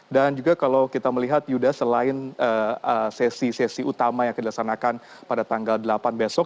dan juga kalau kita melihat yudha selain sesi sesi utama yang dilaksanakan pada tanggal delapan besok